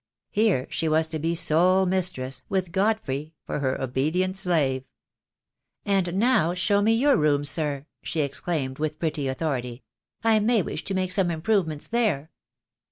Here she was to be sole mistress, with Godfrey for her obedient slave. "And now show me your rooms, sir," she exclaimed, with pretty authority. "I may wish to make some im provements there."